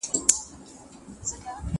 یو حبشي غلام د ونې تر سیوري لاندې ناست و.